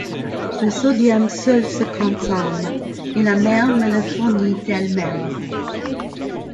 Le sodium seul se consomme, et la mer me le fournit elle-même.